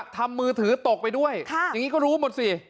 มือถือตกไปด้วยอย่างนี้ก็รู้หมดสิ